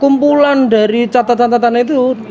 kumpulan dari catatan catatan itu